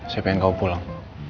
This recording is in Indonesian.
saya pengen kamu pulang